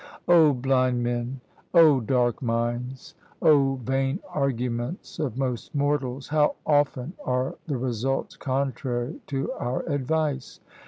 "Oh blind men! Oh dark minds! Oh vain arguments of most mortals, how often are the results contrary to our advice!